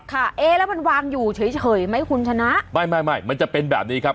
แล้วมันวางอยู่เฉยไหมคุณชนะไม่มันจะเป็นแบบนี้ครับ